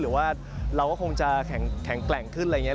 หรือว่าเราก็คงจะแข็งแกร่งขึ้นอะไรอย่างนี้